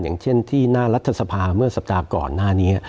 อย่างเช่นที่หน้ารัฐสภาเมื่อสัปดาห์ก่อนหน้านี้